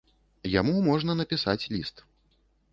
Яму можна напісаць ліст.